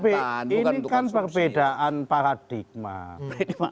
ini kan perbedaan paradigma